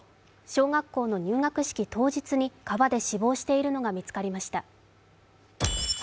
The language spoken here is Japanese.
小学校の入学式当日に川で死亡しているのが見つかりました。